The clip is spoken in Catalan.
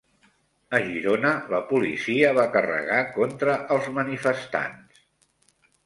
A Girona la policia va carregar contra els manifestants